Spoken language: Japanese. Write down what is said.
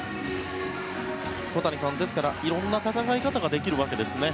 小谷さん、いろいろな戦い方ができるわけですね。